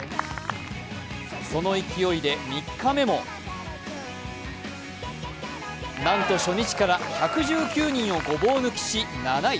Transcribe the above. その勢いで３日目もなんと初日から１１９人をごぼう抜きし７位。